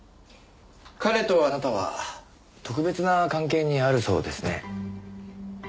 彼とあなたは特別な関係にあるそうですね。